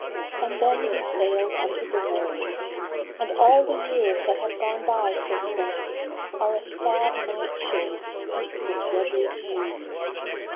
and then he sailed unto the wars, And all the years that have gone by since then Are as sad night shades steeped in deadly dews.